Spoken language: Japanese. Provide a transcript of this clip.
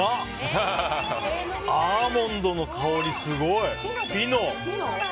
アーモンドの香り、すごい。